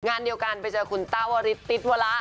งานเดียวกันไปเจอคุณต้าวริสติวละ